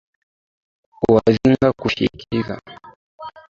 Kuagiza kufyekeza